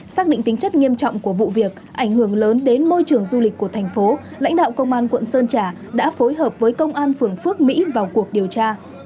xác định tính chất nghiêm trọng của vụ việc ảnh hưởng lớn đến môi trường du lịch của thành phố lãnh đạo công an quận sơn trà đã phối hợp với công an phường phước mỹ vào cuộc điều tra